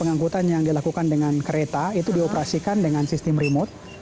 pengangkutan yang dilakukan dengan kereta itu dioperasikan dengan sistem remote